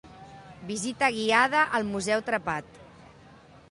Visita guiada al Museu Trepat.